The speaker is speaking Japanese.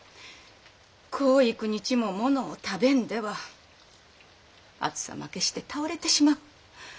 こう幾日もものを食べんでは暑さ負けして倒れてしまう。